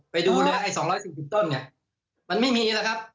ไปดูเนี่ยไอ้๒๔๐ต้นเนี่ยมันไม่มีแล้วครับ